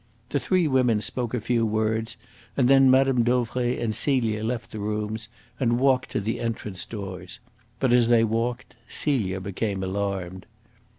The three women spoke a few words, and then Mme. Dauvray and Celia left the rooms and walked to the entrance doors. But as they walked Celia became alarmed.